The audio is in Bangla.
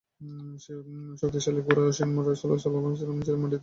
সে বড় শক্তিশালী ঘোড়ায় আসীন আর রাসূল সাল্লাল্লাহু আলাইহি ওয়াসাল্লাম ছিলেন মাটিতে দণ্ডায়মান।